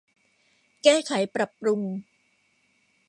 แก้ไขปรับปรุง